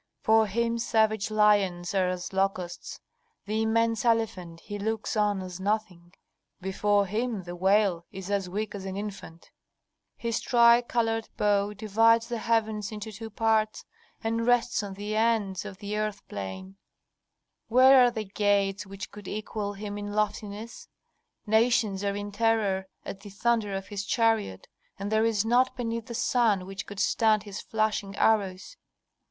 "For Him savage lions are as locusts, the immense elephant He looks on as nothing, before Him the whale is as weak as an infant. "His tricolored bow divides the heavens into two parts and rests on the ends of the earth plain. Where are the gates which could equal Him in loftiness? Nations are in terror at the thunder of His chariot, and there is naught beneath the sun which could stand His flashing arrows.